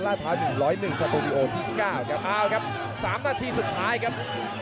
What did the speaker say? พร้าว๑๐๑สตูดิโอที่๙ครับเอาครับ๓นาทีสุดท้ายครับ